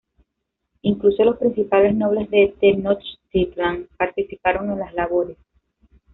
Incluso los principales nobles de Tenochtitlán participaron en las labores.